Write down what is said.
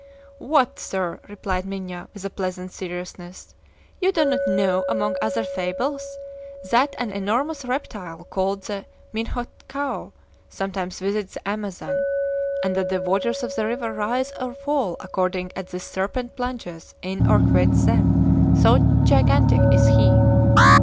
"What, sir!" replied Minha, with a pleasant seriousness, "you do not know, among other fables, that an enormous reptile called the 'minhocao,' sometimes visits the Amazon, and that the waters of the river rise or fall according as this serpent plunges in or quits them, so gigantic is he?"